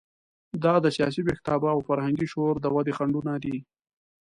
دا د سیاسي ویښتیابه او فرهنګي شعور د ودې خنډونه دي.